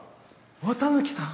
綿貫さん？